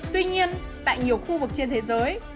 tuy nhiên tại nhiều khu vực trên thế giới